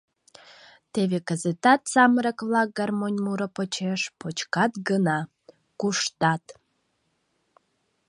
Теве кызытат самырык-влак гармонь муро почеш — почкат гына! — куштат.